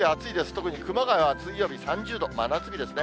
特に熊谷は水曜日３０度、真夏日ですね。